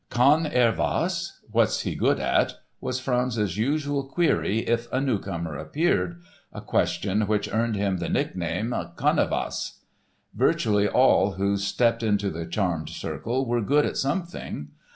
"Kann er was?" ("What's he good at?") was Franz's usual query if a newcomer appeared—a question which earned him the nickname "Kanevas"! Virtually all who stepped into the charmed circle were good at something.